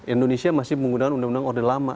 indonesia masih menggunakan undang undang orde lama